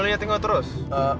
biasa dengan anakku itu